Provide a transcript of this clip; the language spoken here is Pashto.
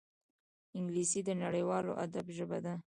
انګلیسي د نړیوال ادب ژبه ده